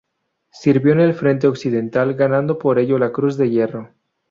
Sirvió en el frente occidental, ganando por ello la Cruz de Hierro.